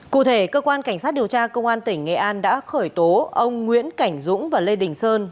cụ thể cơ quan cảnh sát điều tra công an tỉnh nghệ an đã khởi tố ông nguyễn cảnh dũng và lê đình sơn